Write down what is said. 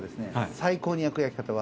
最高に焼く焼き方は。